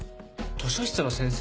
図書室の先生？